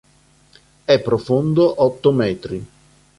È profondo otto metri.